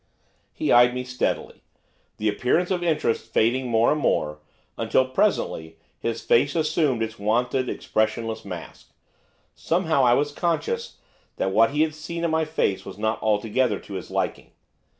He eyed me steadily, the appearance of interest fading more and more, until, presently, his face assumed its wonted expressionless mask, somehow I was conscious that what he had seen in my face was not altogether to his liking.